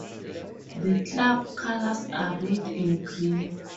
The club colours are red and green.